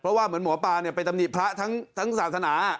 เพราะว่าเหมือนหมอปลาไปตำหนิพระทั้งศาสนา